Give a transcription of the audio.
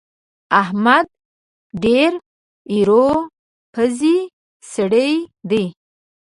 احمد ډېر ايرو پزی سړی دی.